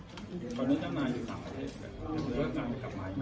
คนที่เคยต้องสดีตามมาแล้วต้องโดยทุนมันใช้ชีวิตแยกไหม